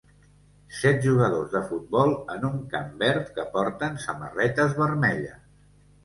Set jugadors de futbol en un camp verd que porten samarretes vermelles